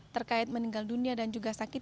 terkait meninggal dunia dan juga sakit